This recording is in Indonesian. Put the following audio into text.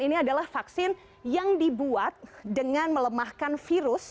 ini adalah vaksin yang dibuat dengan melemahkan virus